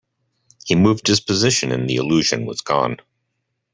He moved his position, and the illusion was gone.